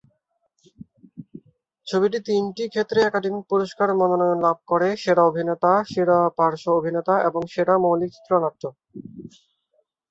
ছবিটি তিনটি ক্ষেত্রে একাডেমি পুরস্কার মনোনয়ন লাভ করে: সেরা অভিনেতা, সেরা পার্শ্ব অভিনেতা এবং সেরা মৌলিক চিত্রনাট্য।